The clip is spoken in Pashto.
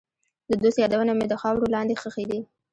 د دوست یادونه مې د خاورې لاندې ښخې دي.